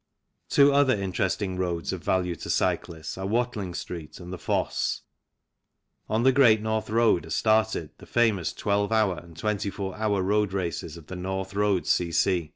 Two other interesting roads of value to cyclists are Watling Street and the Fosse. On the Great North Road are started the famous 12 hr. and 24 hr. road races of the North Road C.C.